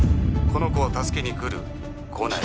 この子を助けに来る？来ない？」